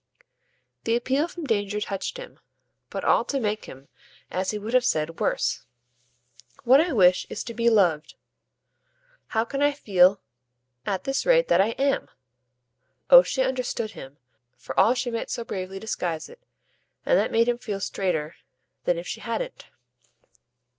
The appeal from danger touched him, but all to make him, as he would have said, worse. "What I wish is to be loved. How can I feel at this rate that I AM?" Oh she understood him, for all she might so bravely disguise it, and that made him feel straighter than if she hadn't.